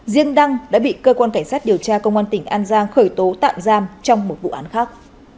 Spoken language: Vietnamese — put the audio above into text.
riêng đăng đã bị cơ quan cảnh sát điều tra công an tỉnh an giang khởi tố tạm giam trong một vụ án khác